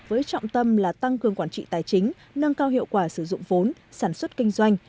với trọng tâm là tăng cường quản trị tài chính nâng cao hiệu quả sử dụng vốn sản xuất kinh doanh